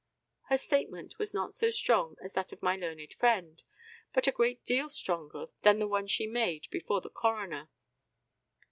Her statement was not so strong as that of my learned friend, but a great deal stronger than the one she made before the coroner.